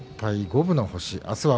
五分の星。